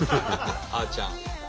あちゃん。